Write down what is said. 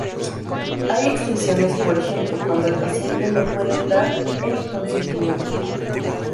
Hay exenciones, por ejemplo cuando el paciente no puede dar el consentimiento.